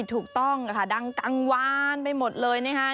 ถูกต้องค่ะดังกลางวานไปหมดเลยนะคะ